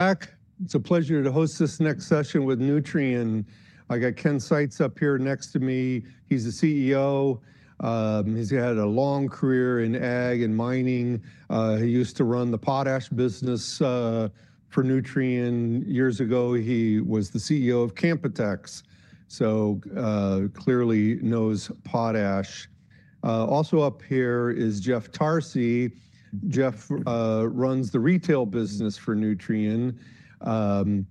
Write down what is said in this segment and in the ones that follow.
Back. It's a pleasure to host this next session with Nutrien. I got Ken Seitz up here next to me. He's the CEO. He's had a long career in ag and mining. He used to run the potash business for Nutrien. Years ago, he was the CEO of Canpotex, so clearly knows potash. Also up here is Jeff Tarsi. Jeff runs the retail business for Nutrien. I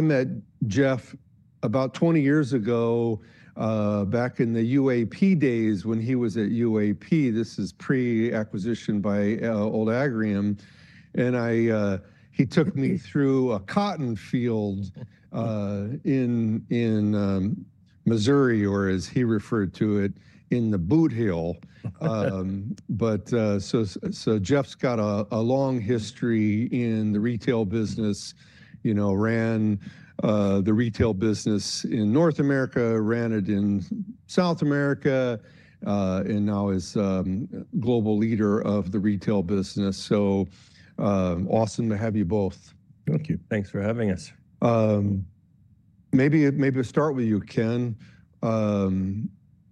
met Jeff about 20 years ago, back in the UAP days when he was at UAP. This is pre-acquisition by old Agrium, and he took me through a cotton field in Missouri, or as he referred to it, in the Bootheel. Jeff's got a long history in the retail business. He ran the retail business in North America, ran it in South America, and now is global leader of the retail business. Awesome to have you both. Thank you. Thanks for having us. Maybe we'll start with you, Ken.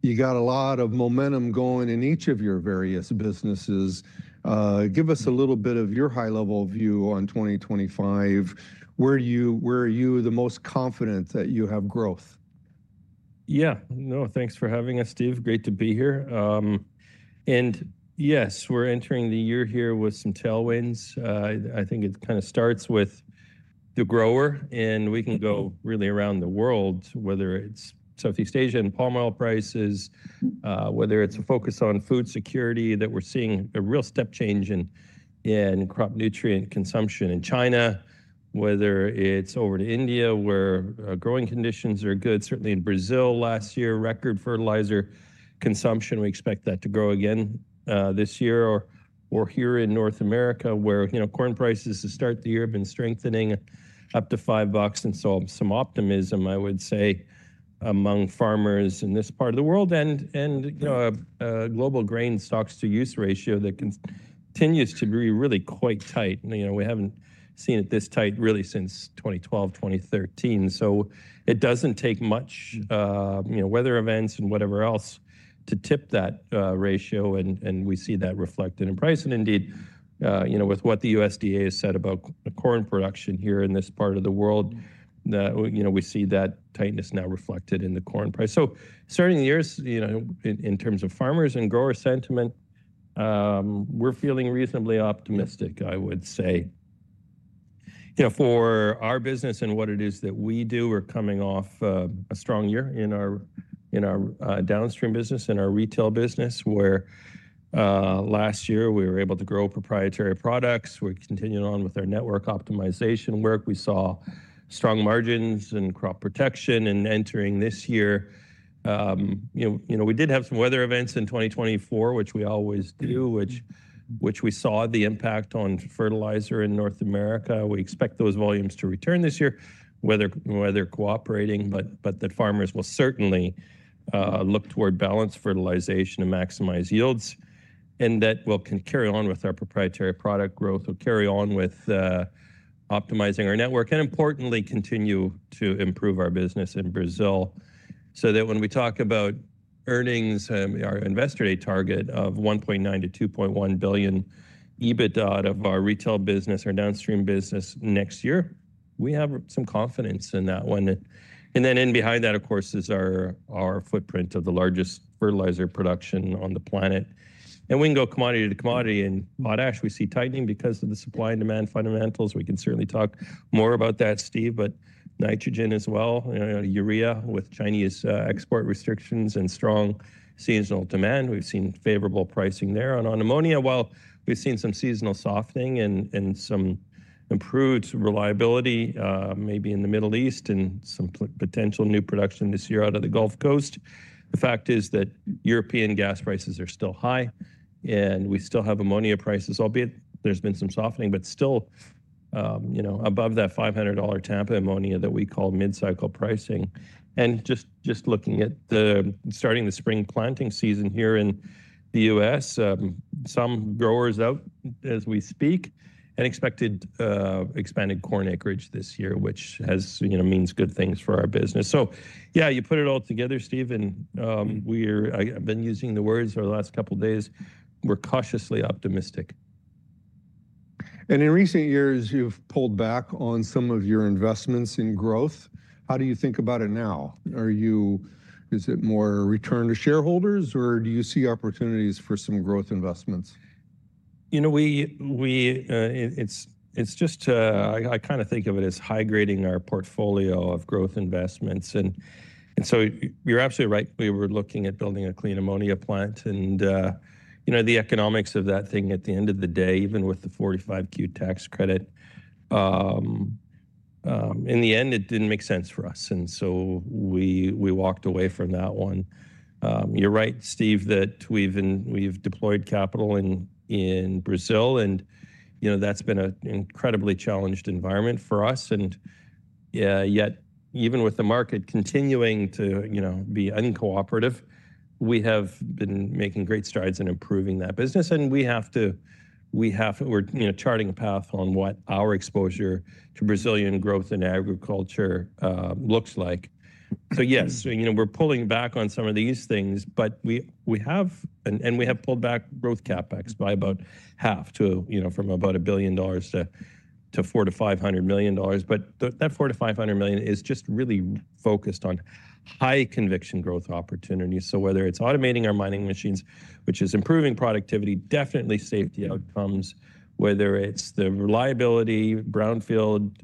You got a lot of momentum going in each of your various businesses. Give us a little bit of your high-level view on 2025. Where are you the most confident that you have growth? Yeah. No, thanks for having us, Steve. Great to be here. And yes, we're entering the year here with some tailwinds. I think it kind of starts with the grower, and we can go really around the world, whether it's Southeast Asia and palm oil prices, whether it's a focus on food security that we're seeing a real step change in crop nutrient consumption in China, whether it's over to India where growing conditions are good. Certainly in Brazil last year, record fertilizer consumption. We expect that to grow again this year. Or here in North America, where corn prices to start the year have been strengthening up to $5 and saw some optimism, I would say, among farmers in this part of the world. And a global grain stocks-to-use ratio that continues to be really quite tight. We haven't seen it this tight really since 2012, 2013. So it doesn't take much weather events and whatever else to tip that ratio, and we see that reflected in price. And indeed, with what the USDA has said about corn production here in this part of the world, we see that tightness now reflected in the corn price. So starting the year in terms of farmers and grower sentiment, we're feeling reasonably optimistic, I would say. For our business and what it is that we do, we're coming off a strong year in our downstream business, in our retail business, where last year we were able to grow proprietary products. We're continuing on with our network optimization work. We saw strong margins and crop protection. And entering this year, we did have some weather events in 2024, which we always do, which we saw the impact on fertilizer in North America. We expect those volumes to return this year, weather cooperating, but that farmers will certainly look toward balanced fertilization to maximize yields. And that will carry on with our proprietary product growth. We'll carry on with optimizing our network and, importantly, continue to improve our business in Brazil. So that when we talk about earnings, our investor-day target of $1.9-$2.1 billion EBITDA of our retail business, our downstream business next year, we have some confidence in that one. And then behind that, of course, is our footprint of the largest fertilizer production on the planet. And we can go commodity to commodity. In potash, we see tightening because of the supply and demand fundamentals. We can certainly talk more about that, Steve, but nitrogen as well, urea, with Chinese export restrictions and strong seasonal demand. We've seen favorable pricing there. And on ammonia, while we've seen some seasonal softening and some improved reliability, maybe in the Middle East and some potential new production this year out of the Gulf Coast, the fact is that European gas prices are still high, and we still have ammonia prices, albeit there's been some softening, but still above that $500 Tampa ammonia that we call mid-cycle pricing. And just looking at starting the spring planting season here in the U.S., some growers out as we speak and expected expanded corn acreage this year, which means good things for our business. So yeah, you put it all together, Steve, and I've been using the words over the last couple of days, we're cautiously optimistic. In recent years, you've pulled back on some of your investments in growth. How do you think about it now? Is it more return to shareholders, or do you see opportunities for some growth investments? It's just I kind of think of it as high-grading our portfolio of growth investments. And so you're absolutely right. We were looking at building a clean ammonia plant. And the economics of that thing at the end of the day, even with the 45Q tax credit, in the end, it didn't make sense for us. And so we walked away from that one. You're right, Steve, that we've deployed capital in Brazil, and that's been an incredibly challenged environment for us. And yet, even with the market continuing to be uncooperative, we have been making great strides in improving that business. And we have to, we're charting a path on what our exposure to Brazilian growth in agriculture looks like. Yes, we're pulling back on some of these things, but we have, and we have pulled back growth CapEx by about half from about $1 billion to $400-$500 million. But that $400-$500 million is just really focused on high conviction growth opportunities. Whether it's automating our mining machines, which is improving productivity, definitely safety outcomes, whether it's the reliability, brownfield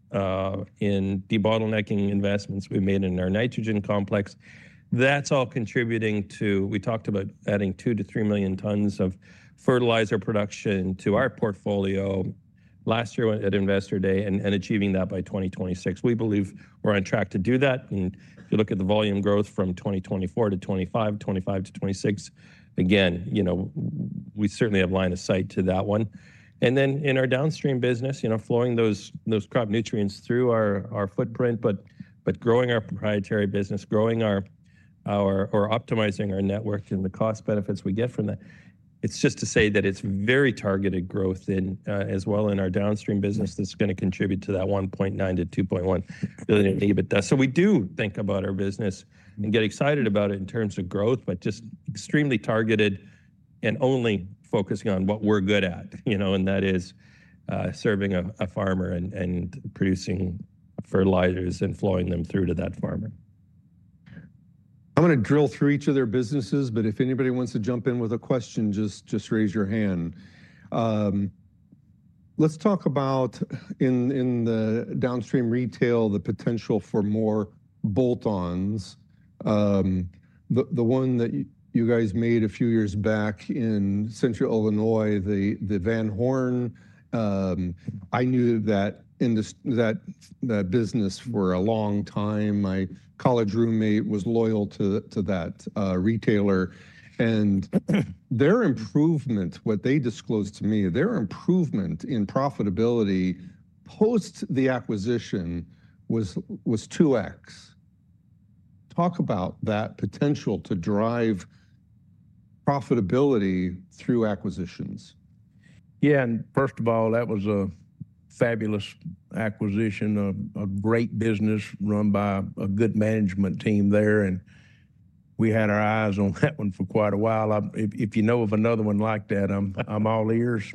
in debottlenecking investments we've made in our nitrogen complex, that's all contributing to, we talked about adding two to three million tons of fertilizer production to our portfolio last year at Investor Day and achieving that by 2026. We believe we're on track to do that. If you look at the volume growth from 2024-2025, 2025-2026, again, we certainly have line of sight to that one. And then in our downstream business, flowing those crop nutrients through our footprint, but growing our proprietary business, or optimizing our network and the cost benefits we get from that, it's just to say that it's very targeted growth as well in our downstream business that's going to contribute to that $1.9-$2.1 billion EBITDA. So we do think about our business and get excited about it in terms of growth, but just extremely targeted and only focusing on what we're good at. And that is serving a farmer and producing fertilizers and flowing them through to that farmer. I'm going to drill through each of their businesses, but if anybody wants to jump in with a question, just raise your hand. Let's talk about, in the downstream retail, the potential for more bolt-ons. The one that you guys made a few years back in Central Illinois, the Van Horn, I knew that business for a long time. My college roommate was loyal to that retailer, and their improvement, what they disclosed to me, their improvement in profitability post the acquisition was 2X. Talk about that potential to drive profitability through acquisitions. Yeah, and first of all, that was a fabulous acquisition, a great business run by a good management team there. And we had our eyes on that one for quite a while. If you know of another one like that, I'm all ears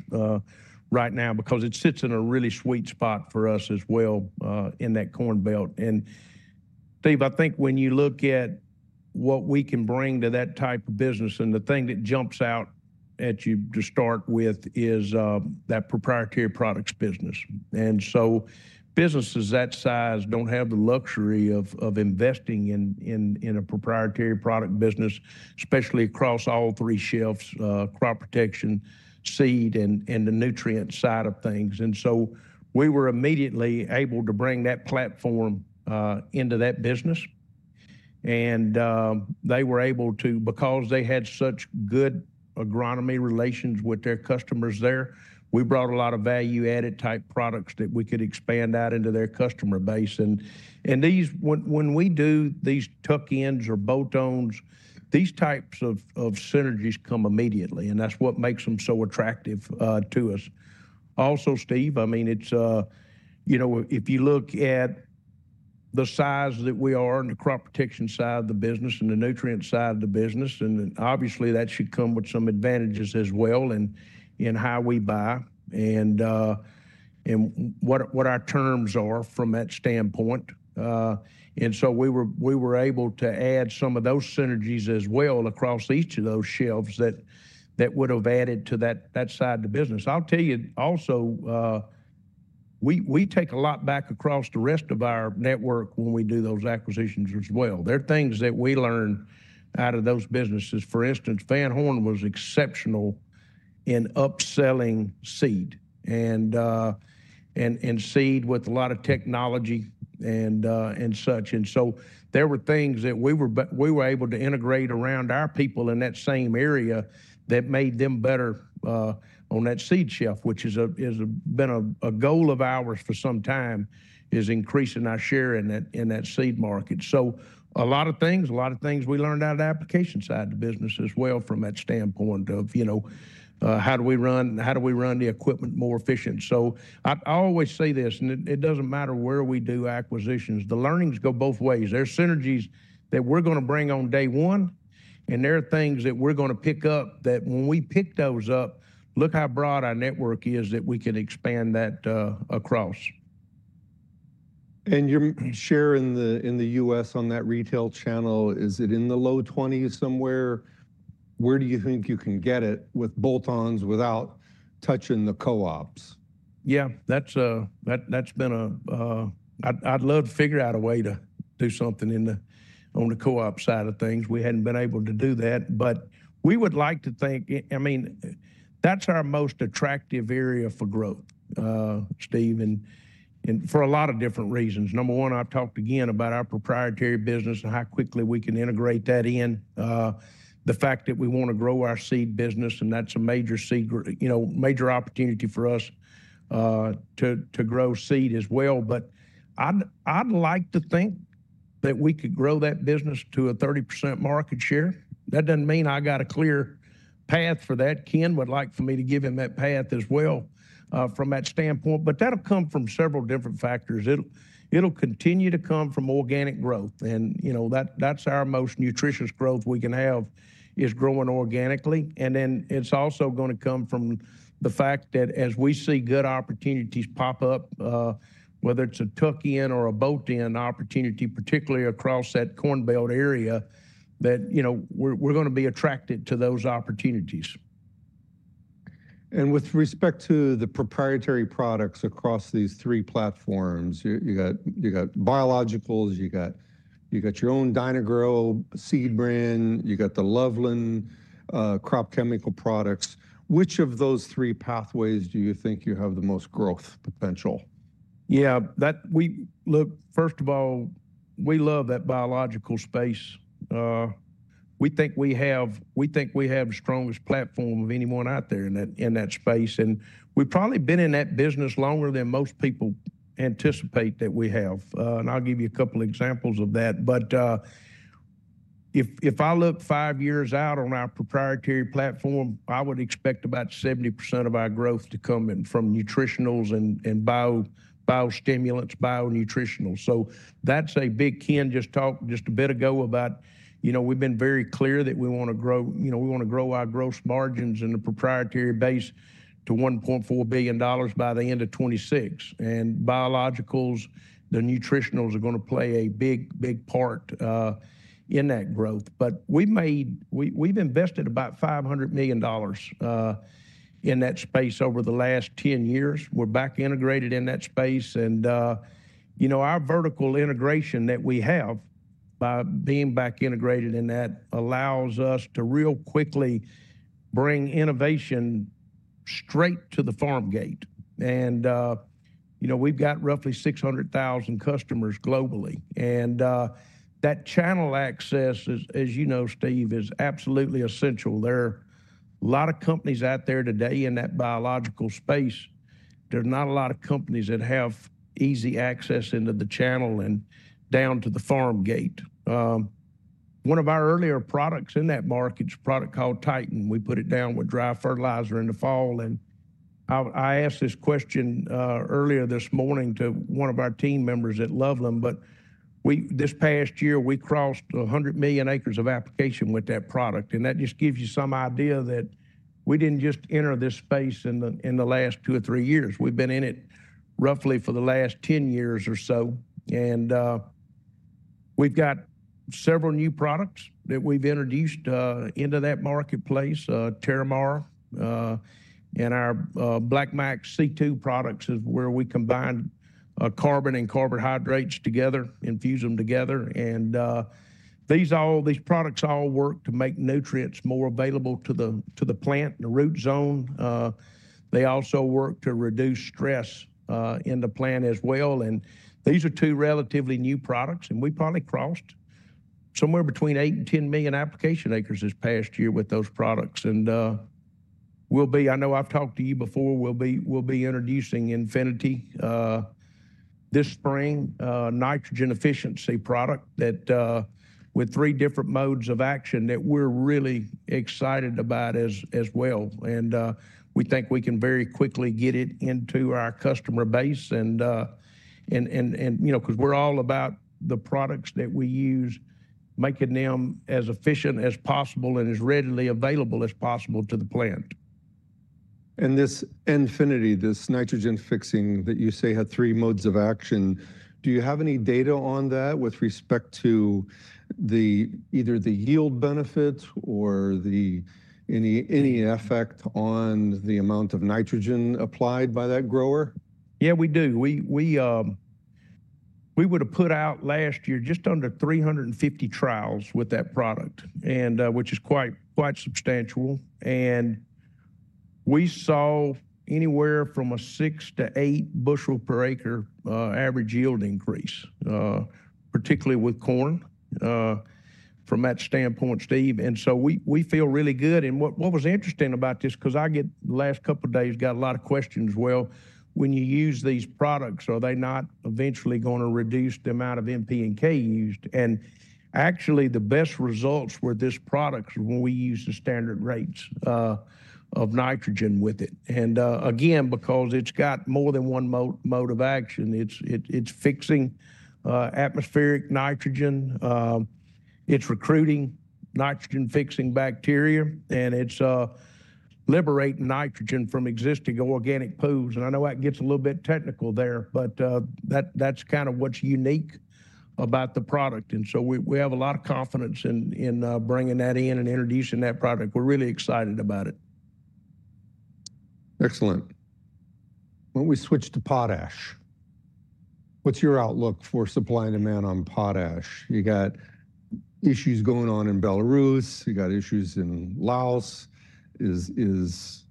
right now because it sits in a really sweet spot for us as well in that Corn Belt. And Steve, I think when you look at what we can bring to that type of business, and the thing that jumps out at you to start with is that proprietary products business. And so businesses that size don't have the luxury of investing in a proprietary product business, especially across all three shifts, crop protection, seed, and the nutrient side of things. And so we were immediately able to bring that platform into that business. And they were able to, because they had such good agronomy relations with their customers there, we brought a lot of value-added type products that we could expand out into their customer base. And when we do these tuck-ins or bolt-ons, these types of synergies come immediately. And that's what makes them so attractive to us. Also, Steve, I mean, if you look at the size that we are in the crop protection side of the business and the nutrient side of the business, and obviously that should come with some advantages as well in how we buy and what our terms are from that standpoint. And so we were able to add some of those synergies as well across each of those shelves that would have added to that side of the business. I'll tell you also, we take a lot back across the rest of our network when we do those acquisitions as well. There are things that we learn out of those businesses. For instance, Van Horn was exceptional in upselling seed and seed with a lot of technology and such. And so there were things that we were able to integrate around our people in that same area that made them better on that seed shelf, which has been a goal of ours for some time, is increasing our share in that seed market. So a lot of things, a lot of things we learned out of the application side of the business as well from that standpoint of how do we run the equipment more efficient. So I always say this, and it doesn't matter where we do acquisitions, the learnings go both ways. There are synergies that we're going to bring on day one, and there are things that we're going to pick up that when we pick those up, look how broad our network is that we can expand that across. Your share in the U.S. on that retail channel, is it in the low 20s% somewhere? Where do you think you can get it with bolt-ons without touching the co-ops? Yeah, that's been. I'd love to figure out a way to do something on the co-op side of things. We hadn't been able to do that, but we would like to think, I mean, that's our most attractive area for growth, Steve, and for a lot of different reasons. Number one, I've talked again about our proprietary business and how quickly we can integrate that in. The fact that we want to grow our seed business, and that's a major opportunity for us to grow seed as well. But I'd like to think that we could grow that business to a 30% market share. That doesn't mean I got a clear path for that. Ken would like for me to give him that path as well from that standpoint, but that'll come from several different factors. It'll continue to come from organic growth. And that's our most nutritious growth we can have is growing organically. And then it's also going to come from the fact that as we see good opportunities pop up, whether it's a tuck-in or a bolt-on opportunity, particularly across that Corn Belt area, that we're going to be attracted to those opportunities. With respect to the proprietary products across these three platforms, you got biologicals, you got your own Dyna-Gro seed brand, you got the Loveland crop chemical products. Which of those three pathways do you think you have the most growth potential? Yeah, look, first of all, we love that biological space. We think we have the strongest platform of anyone out there in that space. And we've probably been in that business longer than most people anticipate that we have. And I'll give you a couple of examples of that. But if I look five years out on our proprietary platform, I would expect about 70% of our growth to come in from nutritionals and biostimulants, bio-nutritionals. So that's a big, Ken just talked just a bit ago about, we've been very clear that we want to grow our gross margins in the proprietary base to $1.4 billion by the end of 2026. And biologicals, the nutritionals are going to play a big, big part in that growth. But we've invested about $500 million in that space over the last 10 years. We're back integrated in that space. Our vertical integration that we have by being back integrated in that allows us to really quickly bring innovation straight to the farm gate. We've got roughly 600,000 customers globally. That channel access, as you know, Steve, is absolutely essential. There are a lot of companies out there today in that biological space. There are not a lot of companies that have easy access into the channel and down to the farm gate. One of our earlier products in that market is a product called Titan. We put it down with dry fertilizer in the fall. I asked this question earlier this morning to one of our team members at Loveland, but this past year, we crossed 100 million acres of application with that product. That just gives you some idea that we didn't just enter this space in the last two or three years. We've been in it roughly for the last 10 years or so. And we've got several new products that we've introduced into that marketplace, Terramar, and our Black Max C2 products is where we combine carbon and carbohydrates together, infuse them together. And these products all work to make nutrients more available to the plant and the root zone. They also work to reduce stress in the plant as well. And these are two relatively new products. And we probably crossed somewhere between 8-10 million application acres this past year with those products. And I know I've talked to you before. We'll be introducing Infinity this spring, a nitrogen efficiency product with three different modes of action that we're really excited about as well. We think we can very quickly get it into our customer base because we're all about the products that we use, making them as efficient as possible and as readily available as possible to the plant. This Infinity, this nitrogen fixing that you say had three modes of action, do you have any data on that with respect to either the yield benefits or any effect on the amount of nitrogen applied by that grower? Yeah, we do. We would have put out last year just under 350 trials with that product, which is quite substantial, and we saw anywhere from a six to eight bushel per acre average yield increase, particularly with corn from that standpoint, Steve. And so we feel really good. And what was interesting about this, because I get the last couple of days, got a lot of questions as well. When you use these products, are they not eventually going to reduce the amount of NP and K used? And actually, the best results were this product when we used the standard rates of nitrogen with it. And again, because it's got more than one mode of action, it's fixing atmospheric nitrogen. It's recruiting nitrogen-fixing bacteria, and it's liberating nitrogen from existing organic pools. I know that gets a little bit technical there, but that's kind of what's unique about the product. So we have a lot of confidence in bringing that in and introducing that product. We're really excited about it. Excellent. Why don't we switch to potash? What's your outlook for supply and demand on potash? You got issues going on in Belarus. You got issues in Laos. Is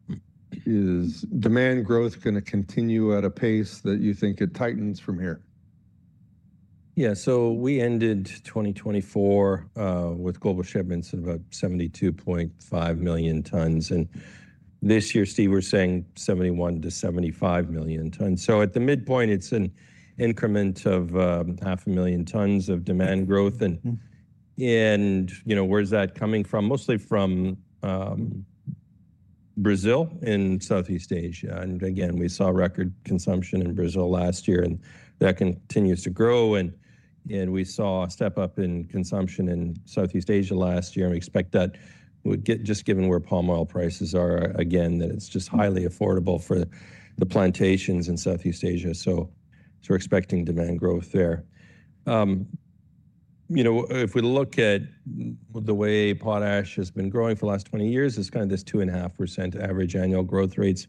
demand growth going to continue at a pace that you think it tightens from here? Yeah, so we ended 2024 with global shipments of about 72.5 million tons. And this year, Steve, we're saying 71-75 million tons. So at the midpoint, it's an increment of 500,000 tons of demand growth. And where's that coming from? Mostly from Brazil in Southeast Asia. And again, we saw record consumption in Brazil last year, and that continues to grow. And we saw a step up in consumption in Southeast Asia last year. And we expect that just given where palm oil prices are again, that it's just highly affordable for the plantations in Southeast Asia. So we're expecting demand growth there. If we look at the way potash has been growing for the last 20 years, it's kind of this 2.5% average annual growth rates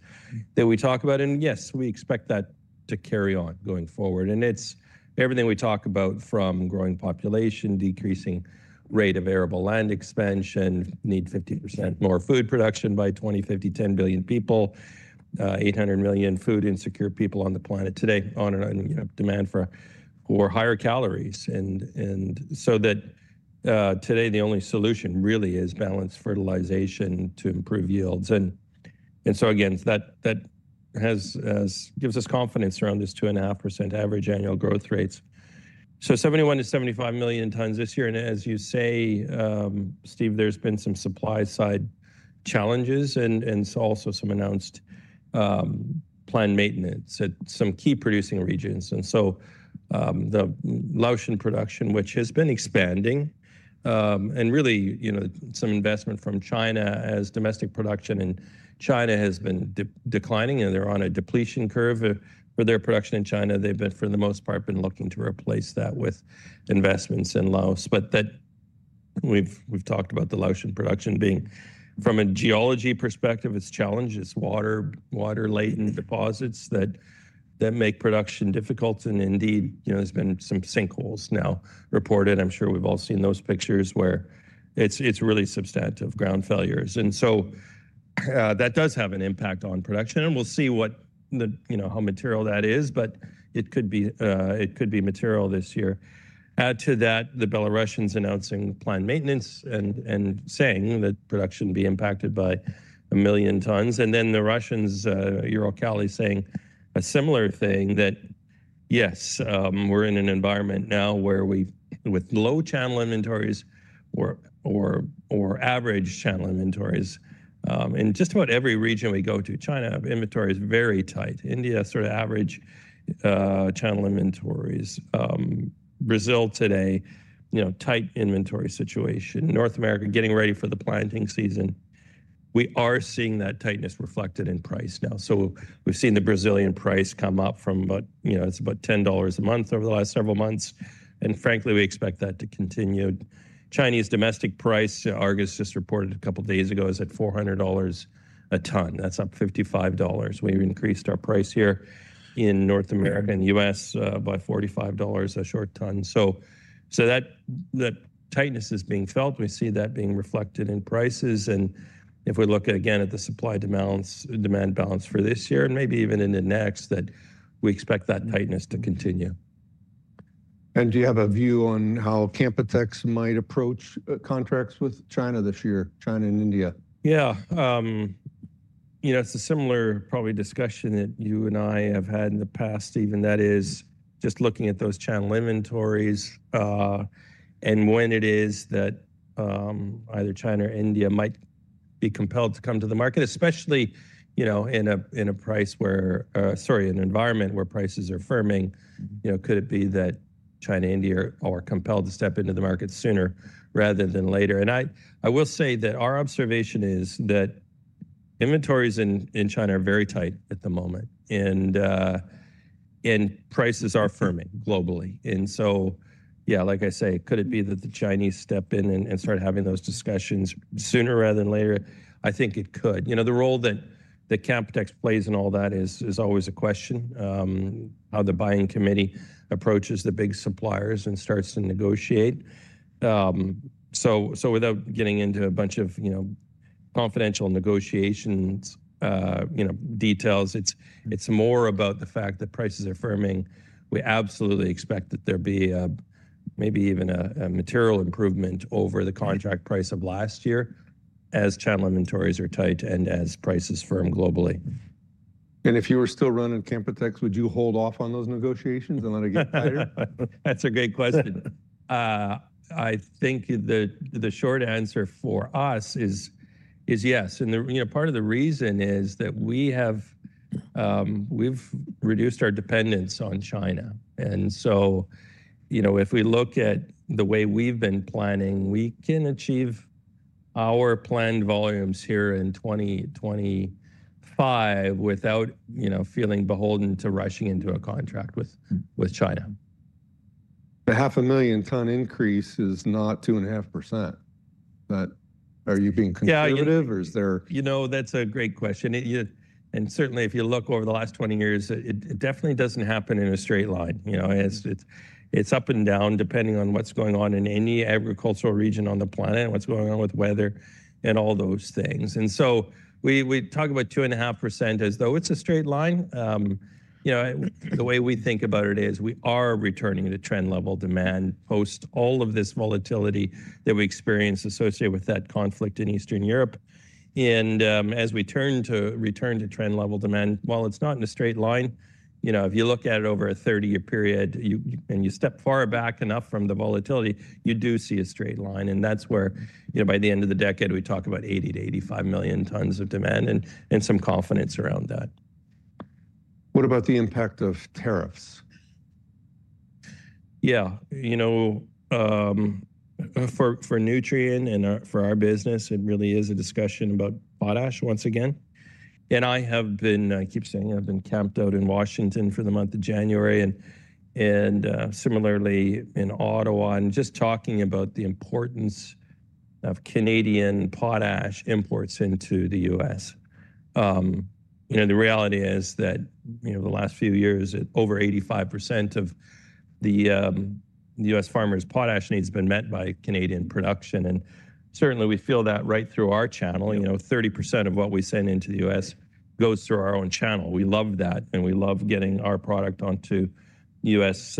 that we talk about. And yes, we expect that to carry on going forward. And it's everything we talk about from growing population, decreasing rate of arable land expansion, need 50% more food production by 2050, 10 billion people, 800 million food-insecure people on the planet today, on demand for higher calories. And so that today, the only solution really is balanced fertilization to improve yields. And so again, that gives us confidence around this 2.5% average annual growth rates. So 71-75 million tons this year. And as you say, Steve, there's been some supply side challenges and also some announced planned maintenance at some key producing regions. And so the Laotian production, which has been expanding and really some investment from China as domestic production in China has been declining, and they're on a depletion curve for their production in China. They've been, for the most part, looking to replace that with investments in Laos. But we've talked about the Laotian production being from a geology perspective. It's challenged. It's water-laden deposits that make production difficult. And indeed, there's been some sinkholes now reported. I'm sure we've all seen those pictures where it's really substantive ground failures. And so that does have an impact on production. And we'll see how material that is, but it could be material this year. Add to that, the Belarusians announcing planned maintenance and saying that production would be impacted by a million tons. And then the Russians, Uralkali saying a similar thing that yes, we're in an environment now where we've with low channel inventories or average channel inventories. And just about every region we go to, China inventory is very tight. India, sort of average channel inventories. Brazil today, tight inventory situation. North America getting ready for the planting season. We are seeing that tightness reflected in price now. So we've seen the Brazilian price come up from about $10 a month over the last several months. And frankly, we expect that to continue. Chinese domestic price, Argus just reported a couple of days ago, is at $400 a ton. That's up $55. We've increased our price here in North America and the U.S. by $45 a short ton. So that tightness is being felt. We see that being reflected in prices. And if we look again at the supply demand balance for this year and maybe even in the next, that we expect that tightness to continue. Do you have a view on how Canpotex might approach contracts with China this year and India? Yeah. It's a similar probably discussion that you and I have had in the past, Steve, that is just looking at those channel inventories and when it is that either China or India might be compelled to come to the market, especially in a price where, sorry, an environment where prices are firming. Could it be that China and India are compelled to step into the market sooner rather than later? And I will say that our observation is that inventories in China are very tight at the moment, and prices are firming globally. And so, yeah, like I say, could it be that the Chinese step in and start having those discussions sooner rather than later? I think it could. The role that Canpotex plays in all that is always a question, how the buying committee approaches the big suppliers and starts to negotiate. So without getting into a bunch of confidential negotiations details, it's more about the fact that prices are firming. We absolutely expect that there be maybe even a material improvement over the contract price of last year as channel inventories are tight and as prices firm globally. If you were still running Canpotex, would you hold off on those negotiations and let it get tighter? That's a great question. I think the short answer for us is yes. And part of the reason is that we've reduced our dependence on China. And so if we look at the way we've been planning, we can achieve our planned volumes here in 2025 without feeling beholden to rushing into a contract with China. The 500,000-ton increase is not 2.5%. Are you being conservative or is there? You know, that's a great question. And certainly, if you look over the last 20 years, it definitely doesn't happen in a straight line. It's up and down depending on what's going on in any agricultural region on the planet, what's going on with weather and all those things. And so we talk about 2.5% as though it's a straight line. The way we think about it is we are returning to trend-level demand post all of this volatility that we experienced associated with that conflict in Eastern Europe. And as we return to trend-level demand, while it's not in a straight line, if you look at it over a 30-year period and you step far back enough from the volatility, you do see a straight line. That's where by the end of the decade, we talk about 80 to 85 million tons of demand and some confidence around that. What about the impact of tariffs? Yeah. For Nutrien and for our business, it really is a discussion about potash once again, and I have been, I keep saying, I've been camped out in Washington for the month of January and similarly in Ottawa and just talking about the importance of Canadian potash imports into the U.S. The reality is that the last few years, over 85% of the U.S. farmers' potash needs have been met by Canadian production, and certainly, we feel that right through our channel. 30% of what we send into the U.S. goes through our own channel. We love that, and we love getting our product onto U.S.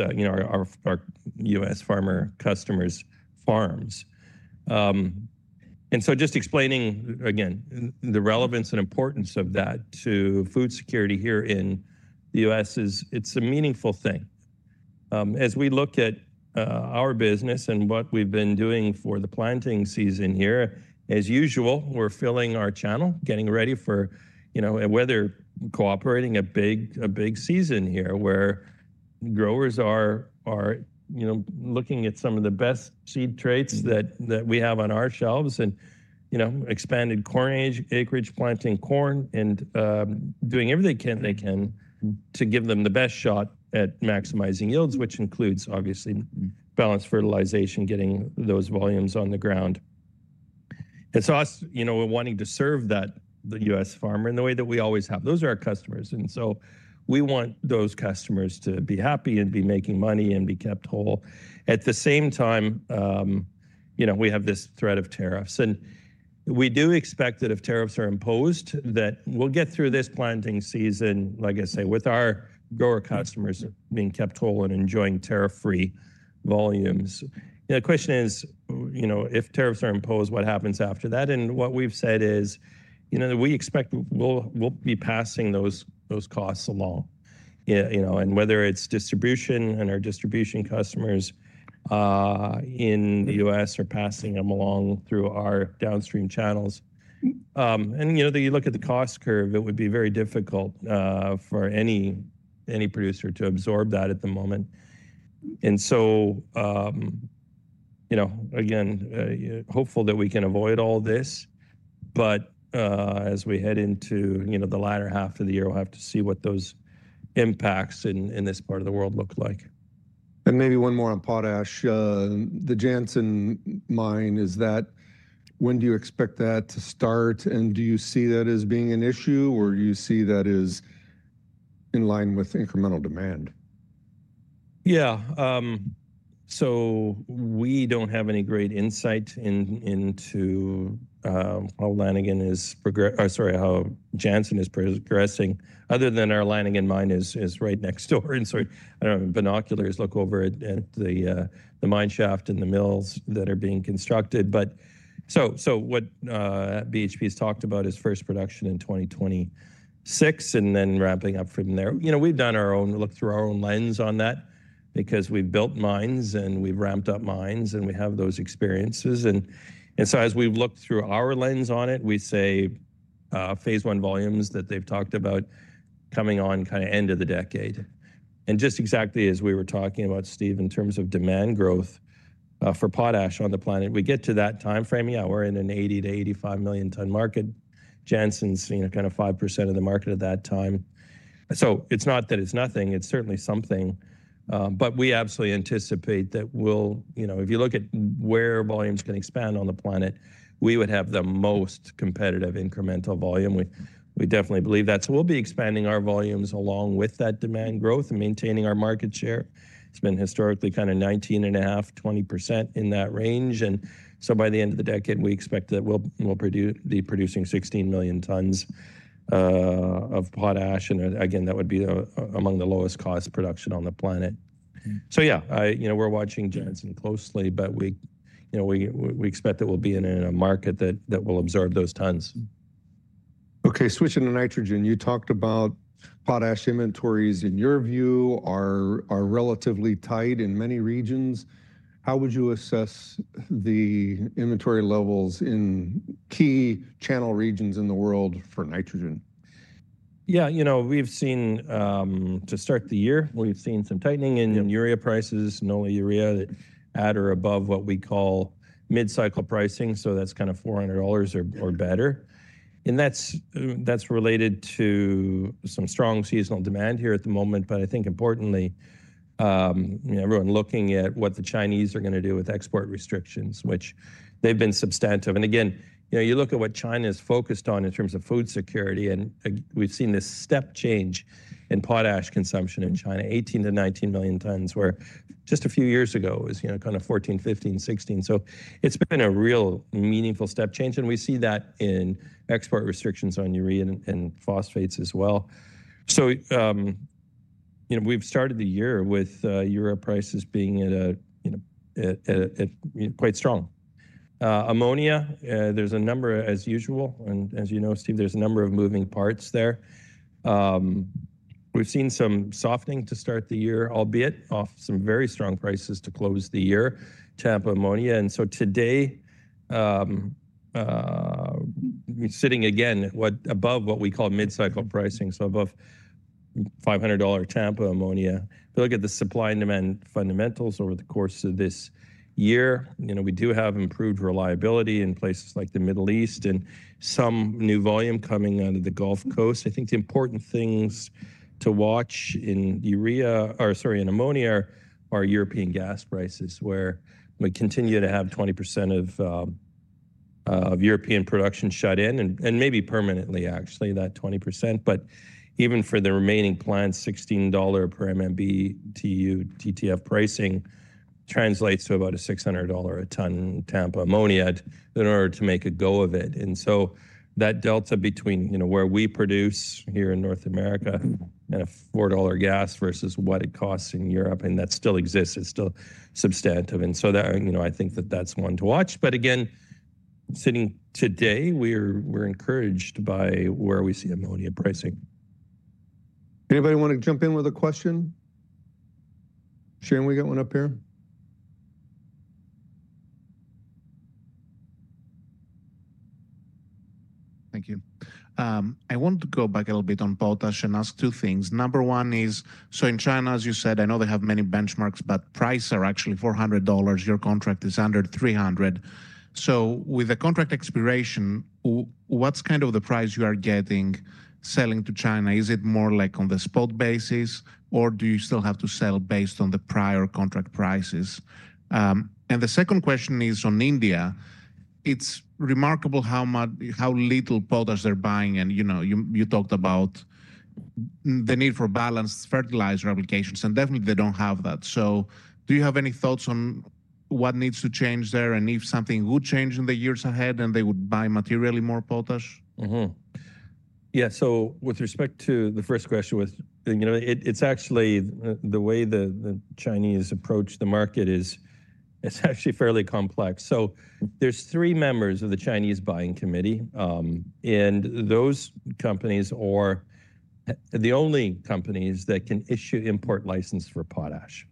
farmer customers' farms, and so just explaining again the relevance and importance of that to food security here in the U.S., it's a meaningful thing. As we look at our business and what we've been doing for the planting season here, as usual, we're filling our channel, getting ready for weather cooperating a big season here where growers are looking at some of the best seed traits that we have on our shelves and expanded corn acreage, planting corn, and doing everything they can to give them the best shot at maximizing yields, which includes obviously balanced fertilization, getting those volumes on the ground, and so we're wanting to serve that US farmer in the way that we always have. Those are our customers, and so we want those customers to be happy and be making money and be kept whole. At the same time, we have this threat of tariffs. And we do expect that if tariffs are imposed, that we'll get through this planting season, like I say, with our grower customers being kept whole and enjoying tariff-free volumes. The question is, if tariffs are imposed, what happens after that? And what we've said is we expect we'll be passing those costs along. And whether it's distribution, and our distribution customers in the U.S. are passing them along through our downstream channels. And you look at the cost curve, it would be very difficult for any producer to absorb that at the moment. And so again, hopeful that we can avoid all this, but as we head into the latter half of the year, we'll have to see what those impacts in this part of the world look like. And maybe one more on potash. The Jansen mine, is that when do you expect that to start? And do you see that as being an issue or do you see that as in line with incremental demand? Yeah. So we don't have any great insight into how Lanigan is, or sorry, how Jansen is progressing, other than our Lanigan mine is right next door. And so we can look over at the mine shaft and the mills that are being constructed. So what BHP has talked about is first production in 2026 and then ramping up from there. We've done our own, looked through our own lens on that because we've built mines and we've ramped up mines and we have those experiences. And so as we've looked through our lens on it, we say phase one volumes that they've talked about coming on kind of end of the decade. And just exactly as we were talking about, Steve, in terms of demand growth for potash on the planet, we get to that timeframe, yeah, we're in an 80-85 million ton market. Jansen's kind of 5% of the market at that time. So it's not that it's nothing, it's certainly something. But we absolutely anticipate that we'll, if you look at where volumes can expand on the planet, we would have the most competitive incremental volume. We definitely believe that. So we'll be expanding our volumes along with that demand growth and maintaining our market share. It's been historically kind of 19.5%-20% in that range. And so by the end of the decade, we expect that we'll be producing 16 million tons of potash. And again, that would be among the lowest cost production on the planet. So yeah, we're watching Jansen closely, but we expect that we'll be in a market that will absorb those tons. Okay. Switching to nitrogen, you talked about potash inventories in your view are relatively tight in many regions. How would you assess the inventory levels in key channel regions in the world for nitrogen? Yeah. You know, we've seen to start the year, we've seen some tightening in urea prices. Now urea at or above what we call mid-cycle pricing. So that's kind of $400 or better. And that's related to some strong seasonal demand here at the moment. But I think importantly, everyone looking at what the Chinese are going to do with export restrictions, which they've been substantial. And again, you look at what China is focused on in terms of food security, and we've seen this step change in potash consumption in China, 18-19 million tons, where just a few years ago it was kind of 14, 15, 16. So it's been a real meaningful step change. And we see that in export restrictions on urea and phosphates as well. So we've started the year with urea prices being quite strong. Ammonia, there's a number, as usual. And as you know, Steve, there's a number of moving parts there. We've seen some softening to start the year, albeit off some very strong prices to close the year, Tampa ammonia. And so today, sitting again above what we call mid-cycle pricing, so above $500 Tampa ammonia. But look at the supply and demand fundamentals over the course of this year. We do have improved reliability in places like the Middle East and some new volume coming out of the Gulf Coast. I think the important things to watch in urea, or sorry, in ammonia, are European gas prices, where we continue to have 20% of European production shut in, and maybe permanently, actually, that 20%. But even for the remaining plants, $16 per MMBtu TTF pricing translates to about a $600 a ton Tampa ammonia in order to make a go of it. And so that delta between where we produce here in North America and a $4 gas versus what it costs in Europe, and that still exists, it's still substantive. And so I think that that's one to watch. But again, sitting today, we're encouraged by where we see ammonia pricing. Anybody want to jump in with a question? Sharon, we got one up here. Thank you. I want to go back a little bit on potash and ask two things. Number one is, so in China, as you said, I know they have many benchmarks, but price are actually $400. Your contract is under $300. So with the contract expiration, what's kind of the price you are getting selling to China? Is it more like on the spot basis, or do you still have to sell based on the prior contract prices? And the second question is on India. It's remarkable how little potash they're buying. And you talked about the need for balanced fertilizer applications, and definitely they don't have that. So do you have any thoughts on what needs to change there? And if something would change in the years ahead and they would buy materially more potash? Yeah. So with respect to the first question, it's actually the way the Chinese approach the market is actually fairly complex. So there's three members of the Chinese Buying Committee, and those companies are the only companies that can issue import license for potash.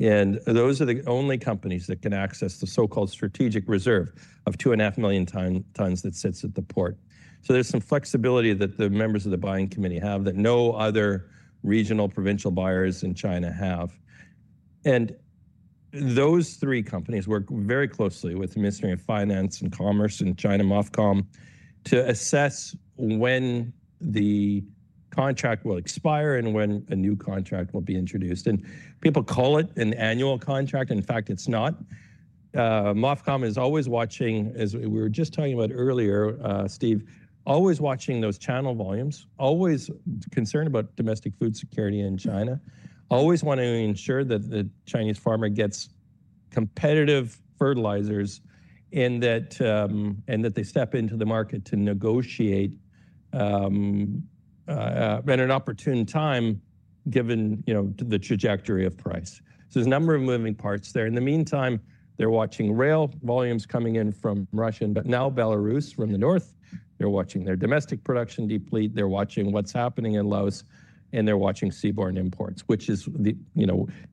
And those are the only companies that can access the so-called strategic reserve of 2.5 million tons that sits at the port. So there's some flexibility that the members of the Buying Committee have that no other regional provincial buyers in China have. And those three companies work very closely with the Ministry of Commerce and China's MOFCOM to assess when the contract will expire and when a new contract will be introduced. And people call it an annual contract. In fact, it's not. MOFCOM is always watching, as we were just talking about earlier, Steve, always watching those channel volumes, always concerned about domestic food security in China, always wanting to ensure that the Chinese farmer gets competitive fertilizers and that they step into the market to negotiate at an opportune time given the trajectory of price. So there's a number of moving parts there. In the meantime, they're watching rail volumes coming in from Russia, but now Belarus from the north. They're watching their domestic production deplete. They're watching what's happening in Laos, and they're watching seaborne imports, which is,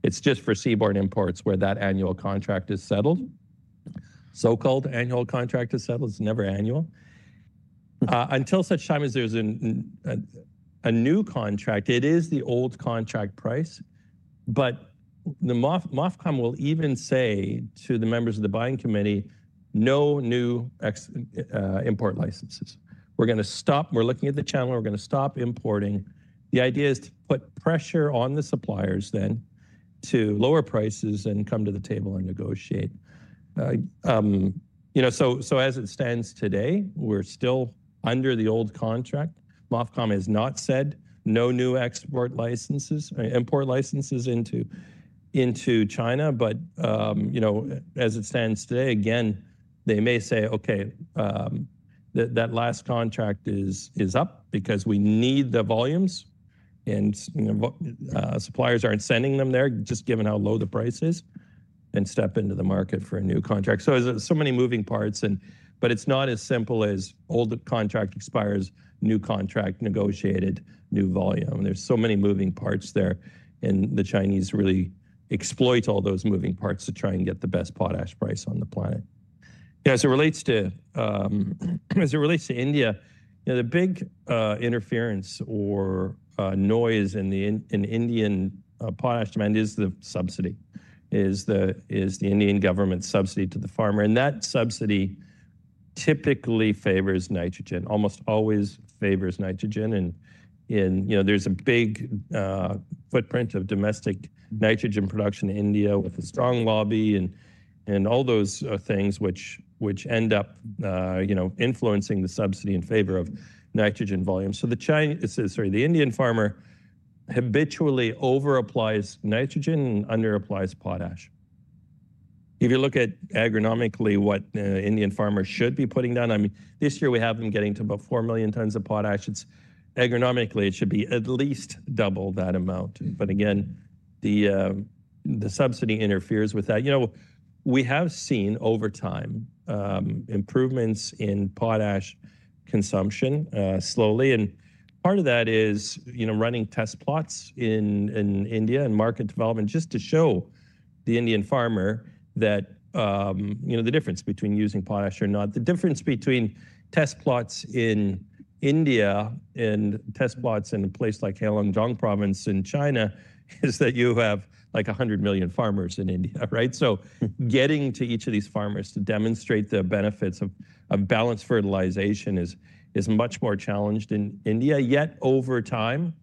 it's just for seaborne imports where that annual contract is settled. So-called annual contract is settled. It's never annual. Until such time as there's a new contract, it is the old contract price. But the MOFCOM will even say to the members of the Buying Committee, no new import licenses. We're going to stop, we're looking at the channel, we're going to stop importing. The idea is to put pressure on the suppliers then to lower prices and come to the table and negotiate. So as it stands today, we're still under the old contract. MOFCOM has not said no new export licenses, import licenses into China. But as it stands today, again, they may say, okay, that last contract is up because we need the volumes and suppliers aren't sending them there, just given how low the price is, and step into the market for a new contract. So there's so many moving parts, but it's not as simple as old contract expires, new contract negotiated, new volume. There's so many moving parts there, and the Chinese really exploit all those moving parts to try and get the best potash price on the planet. As it relates to India, the big interference or noise in Indian potash demand is the subsidy, is the Indian government subsidy to the farmer. And that subsidy typically favors nitrogen, almost always favors nitrogen. And there's a big footprint of domestic nitrogen production in India with a strong lobby and all those things which end up influencing the subsidy in favor of nitrogen volume. So the Indian farmer habitually over-applies nitrogen and under-applies potash. If you look at agronomically what Indian farmers should be putting down, I mean, this year we have them getting to about four million tons of potash. Agronomically, it should be at least double that amount. But again, the subsidy interferes with that. We have seen over time improvements in potash consumption slowly. Part of that is running test plots in India and market development just to show the Indian farmer that the difference between using potash or not, the difference between test plots in India and test plots in a place like Heilongjiang Province in China is that you have like 100 million farmers in India, right? So getting to each of these farmers to demonstrate the benefits of balanced fertilization is much more challenged in India. Yet over time,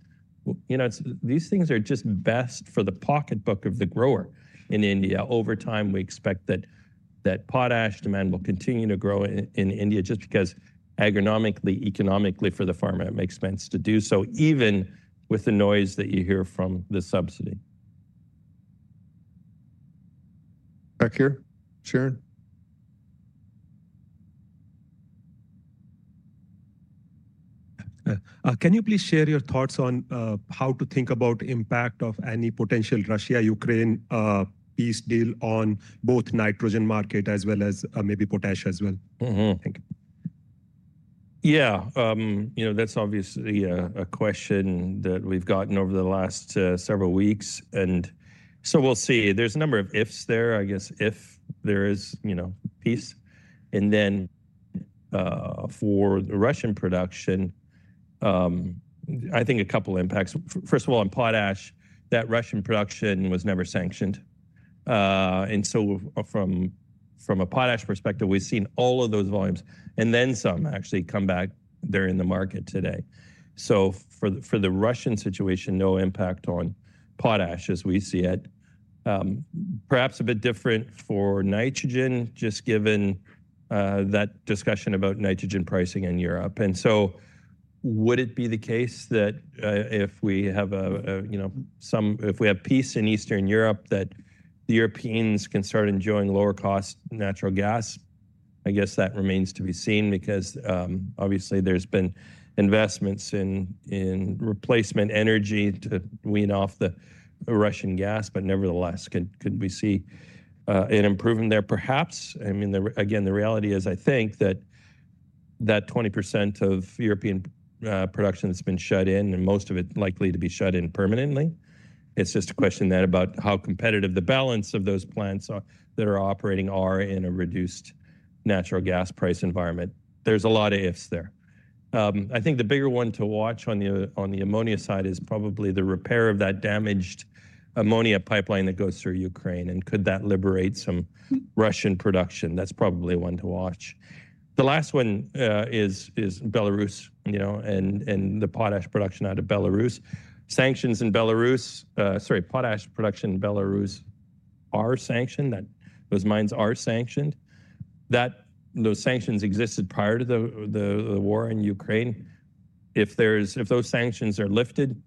these things are just best for the pocketbook of the grower in India. Over time, we expect that potash demand will continue to grow in India just because agronomically, economically for the farmer, it makes sense to do so, even with the noise that you hear from the subsidy. Back here, Sharon. Can you please share your thoughts on how to think about the impact of any potential Russia-Ukraine peace deal on both nitrogen market as well as maybe potash as well? Thank you. Yeah. That's obviously a question that we've gotten over the last several weeks, and so we'll see. There's a number of ifs there, I guess, if there is peace, and then for the Russian production, I think a couple of impacts. First of all, on potash, that Russian production was never sanctioned, and so from a potash perspective, we've seen all of those volumes and then some actually come back. They're in the market today, so for the Russian situation, no impact on potash as we see it. Perhaps a bit different for nitrogen, just given that discussion about nitrogen pricing in Europe, and so would it be the case that if we have some, if we have peace in Eastern Europe, that the Europeans can start enjoying lower cost natural gas? I guess that remains to be seen because obviously there's been investments in replacement energy to wean off the Russian gas, but nevertheless, could we see an improvement there? Perhaps. I mean, again, the reality is, I think that that 20% of European production that's been shut in and most of it likely to be shut in permanently, it's just a question then about how competitive the balance of those plants that are operating are in a reduced natural gas price environment. There's a lot of ifs there. I think the bigger one to watch on the ammonia side is probably the repair of that damaged ammonia pipeline that goes through Ukraine. And could that liberate some Russian production? That's probably one to watch. The last one is Belarus and the potash production out of Belarus. Sanctions in Belarus, sorry, potash production in Belarus are sanctioned. Those mines are sanctioned. Those sanctions existed prior to the war in Ukraine. If those sanctions are lifted,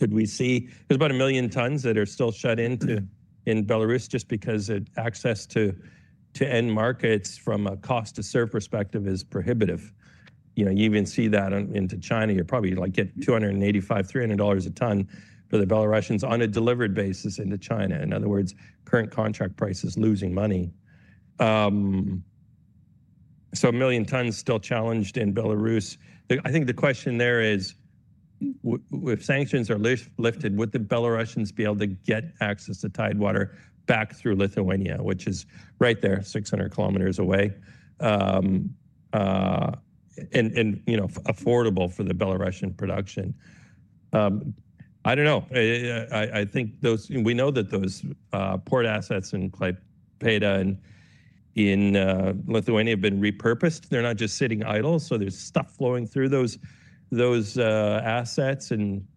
could we see there's about a million tons that are still shut into Belarus just because access to end markets from a cost to serve perspective is prohibitive? You even see that into China. You're probably like getting $285-$300 a ton for the Belarusians on a delivered basis into China. In other words, current contract price is losing money. So a million tons still challenged in Belarus. I think the question there is, if sanctions are lifted, would the Belarusians be able to get access to tidewater back through Lithuania, which is right there, 600 km away and affordable for the Belarusian production? I don't know. I think we know that those port assets in Klaipėda and in Lithuania have been repurposed. They're not just sitting idle. So there's stuff flowing through those assets. And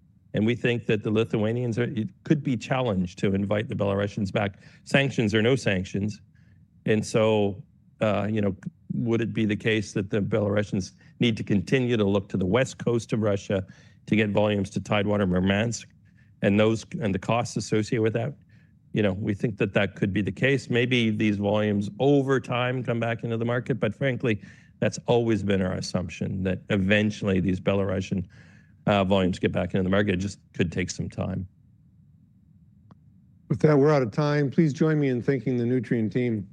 we think that the Lithuanians could be challenged to invite the Belarusians back. Sanctions or no sanctions. And so would it be the case that the Belarusians need to continue to look to the west coast of Russia to get volumes to tidewater Murmansk and the costs associated with that? We think that that could be the case. Maybe these volumes over time come back into the market, but frankly, that's always been our assumption that eventually these Belarusian volumes get back into the market. It just could take some time. With that, we're out of time. Please join me in thanking the Nutrien team.